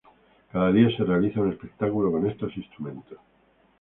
Cada día se realiza un espectáculo con estos instrumentos.